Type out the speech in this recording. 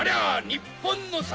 日本の札！